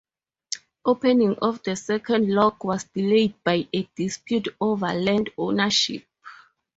Opening of the second lock was delayed by a dispute over land ownership.